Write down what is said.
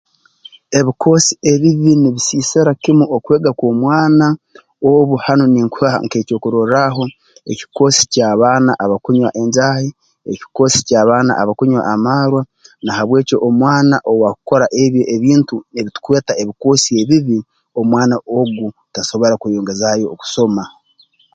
Ebikoosi ebibi nibisiisira kimu okwega kw'omwana obu hanu ninkuha nk'ekyokurorraaho ekikoosi ky'abaana abakunywa enjaahi ekikoosi ky'abaana abakunywa amaarwa na habw'eki omwana owaakukora ebi ebintu ebitukweta ebikoosi ebibi omwana ogu tasobora kweyongezaayo okusoma